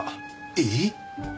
えっ！？